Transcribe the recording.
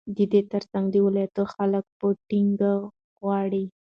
ددې ترڅنگ د ولايت خلك په ټينگه غواړي،